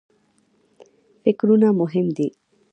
فکرونه مهم دي.